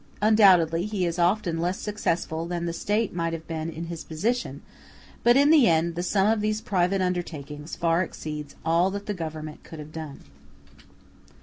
Undoubtedly he is often less successful than the State might have been in his position; but in the end the sum of these private undertakings far exceeds all that the Government could have done.